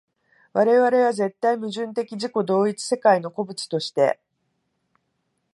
我々は絶対矛盾的自己同一的世界の個物として、